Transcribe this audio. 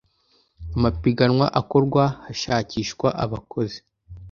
amapiganwa akorwa hashakishwa abakozi